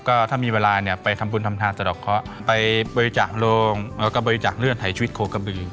ก็ถ้ามีเวลาเนี่ยไปทำบุญทำทานสะดอกเคาะไปบริจาคโรงแล้วก็บริจาคเลือดถ่ายชีวิตโคกระบือ